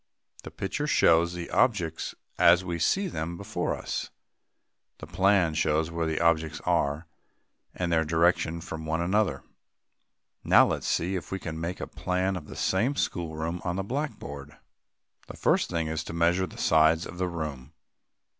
"] The picture shows the objects as we see them before us. The plan shows where the objects are, and their direction from one another. Now let us see if we can make a plan of the same schoolroom on the blackboard. The first thing is to measure the sides of the room.